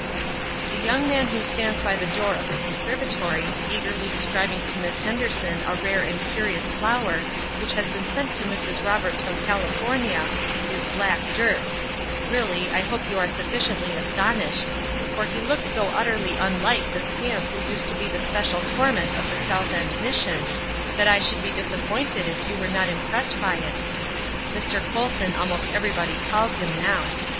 The young man who stands by the door of the conservatory, eagerly describing to Miss Henderson a rare and curious flower, which has been sent to Mrs. Roberts from California, is "black Dirk." Really, I hope you are sufficiently astonished; for he looks so utterly unlike the scamp who used to be the special torment of the South End Mission that I should be disappointed if you were not impressed by it. "Mr. Colson" almost everybody calls him now.